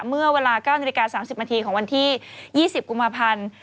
เมื่อเวลา๙นาฬิกา๓๐นาทีของวันที่๒๐กุมภาพันธ์